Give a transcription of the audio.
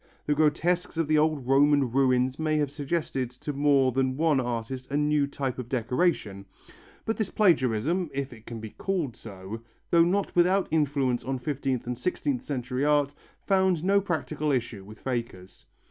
The grotesques of the old Roman ruins may have suggested to more than one artist a new type of decoration; but this plagiarism, if it can be called so, though not without influence on fifteenth and sixteenth century art, found no practical issue with fakers.